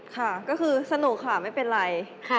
ค่ะก็คือสนุกค่ะไม่เป็นไร